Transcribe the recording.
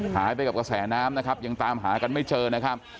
หายไปกับกระแสน้ำนะครับยังตามหากันไม่เจอนะครับ